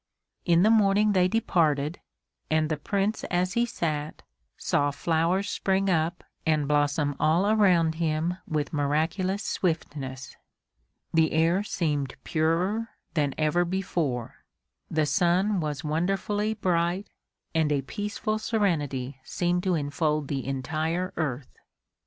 In the morning they departed, and the Prince as he sat, saw flowers spring up and blossom all around him with miraculous swiftness. The air seemed purer than ever before, the sun was wonderfully bright and a peaceful serenity seemed to enfold the entire earth.